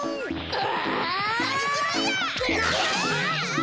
あ。